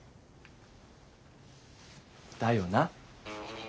だよな。